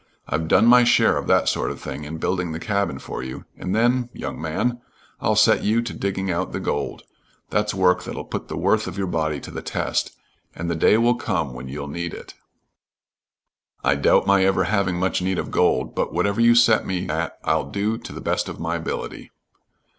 I've done my share of that sort of thing in building the cabin for you, and then young man I'll set you to digging out the gold. That's work that'll put the worth of your body to the test, and the day will come when you'll need it." "I doubt my ever having much need of gold, but whatever you set me at I'll do to the best of my ability."